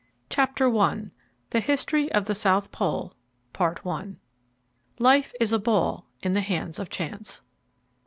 I. CHAPTER I The History of the South Pole "Life is a ball In the hands of chance."